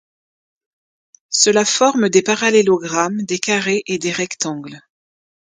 Cela forme des parallélogrammes, des carrés et des rectangles.